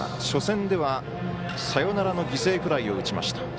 初戦ではサヨナラの犠牲フライを打ちました。